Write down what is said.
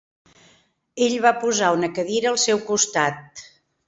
Ell va posar una cadira al seu costat.